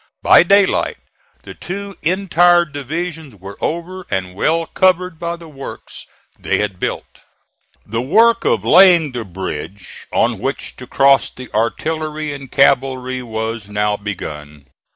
By daylight the two entire divisions were over, and well covered by the works they had built. The work of laying the bridge, on which to cross the artillery and cavalry, was now begun.